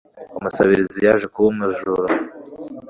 Umusabirizi yaje kuba umujura.